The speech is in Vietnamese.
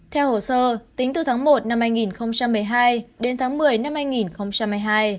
theo hồ sơ tính từ tháng một năm hai nghìn một mươi hai đến tháng một mươi năm hai nghìn hai mươi hai